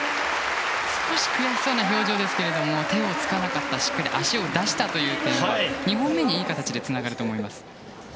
少し悔しそうな表情ですが手をつかなかった、しっかりと足を出したというのは２本目にいい形でつながると思います。